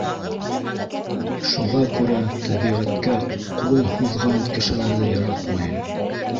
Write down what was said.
Шуға күрә тәбиғәткә ҡул һуҙған кешеләрҙе яратмайым